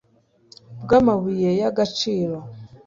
bw'amabuye y'agaciro